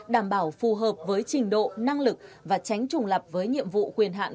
đảm bảo phù hợp với trình độ năng lực và tránh trùng lập với nhiệm vụ quyền hạn